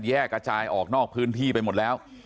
กระจายออกนอกพื้นที่ไปหมดแล้ว